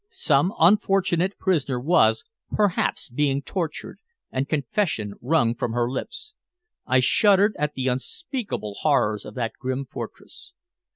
Some unfortunate prisoner was, perhaps, being tortured and confession wrung from her lips. I shuddered at the unspeakable horrors of that grim fortress.